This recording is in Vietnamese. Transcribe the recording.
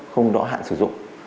không rõ hạn sử dụng